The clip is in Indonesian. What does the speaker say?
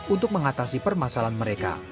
untuk mengatasi permasalahan mereka